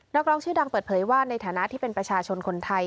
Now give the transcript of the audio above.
นักร้องชื่อดังเปิดเผยว่าในฐานะที่เป็นประชาชนคนไทย